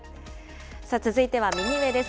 続いては右上です。